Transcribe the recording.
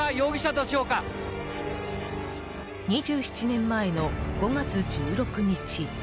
２７年前の５月１６日。